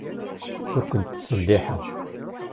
Ur ken-ttselliḥeɣ.